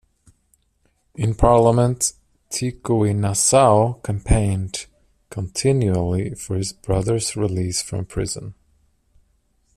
In parliament, Tikoinasau campaigned continually for his brother's release from prison.